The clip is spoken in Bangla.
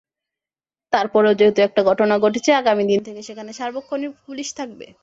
তারপরেও যেহেতু একটা ঘটনা ঘটেছে, আগামী দিন থেকে সেখানে সার্বক্ষণিক পুলিশ থাকবে।